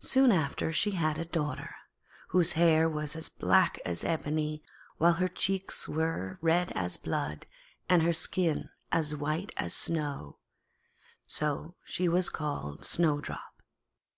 Soon after, she had a daughter, whose hair was black as ebony, while her cheeks were red as blood, and her skin as white as snow; so she was called Snowdrop.